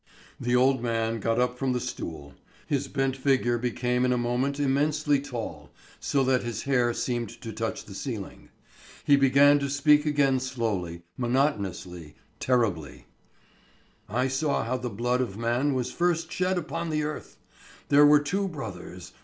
The old man got up from the stool. His bent figure became in a moment immensely tall, so that his hair seemed to touch the ceiling. He began to speak again, slowly, monotonously, terribly: "I saw how the blood of man was first shed upon the earth. There were two brothers.